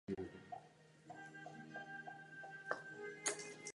Ve svých článcích a knihách se zabývá tématy moderních dějin.